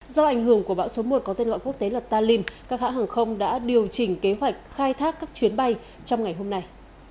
do ảnh hưởng của bão số một có tên gọi quốc tế là talim các hãng hàng không đã điều chỉnh kế hoạch khai thác các chuyến bay trong ngày hôm nay